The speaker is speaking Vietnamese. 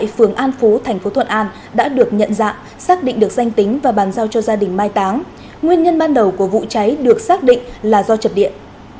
công an tỉnh bình dương đã được nhận dạng xác định được danh tính và bàn giao cho gia đình mai táng nguyên nhân ban đầu của vụ cháy được xác định là do chập điện